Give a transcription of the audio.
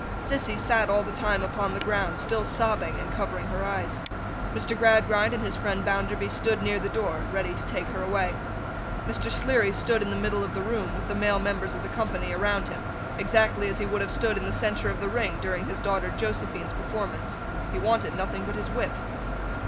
Sissy sat all the time upon the ground, still sobbing, and covering her eyes. Mr. Gradgrind and his friend Bounderby stood near the door, ready to take her away. Mr. Sleary stood in the middle of the room, with the male members of the company about him, exactly as he would have stood in the centre of the ring during his daughter Josephine's performance. He wanted nothing but his whip.